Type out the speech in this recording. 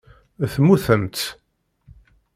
Temmutemt.